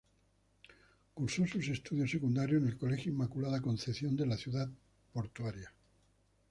Cursó sus estudios secundarios en el Colegio Inmaculada Concepción de la ciudad-puerto.